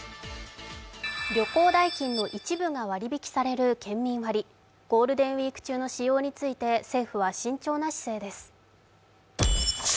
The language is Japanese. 旅行代金の一部が割り引きされる県民割、ゴールデンウイーク中の対応について政府は慎重な姿勢です。